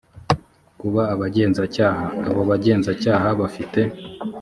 kuba abagenzacyaha abo bagenzacyaha bafite